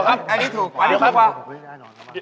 เก็บรักษาก่าย